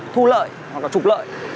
thu lợi hoặc là trục lợi